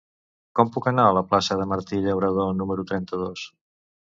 Com puc anar a la plaça de Martí Llauradó número trenta-dos?